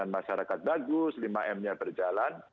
masyarakat bagus lima m nya berjalan